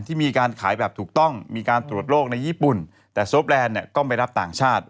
ที่มีการขายแบบถูกต้องมีการตรวจโลกในญี่ปุ่นแต่โซฟแลนด์เนี่ยก็ไม่รับต่างชาติ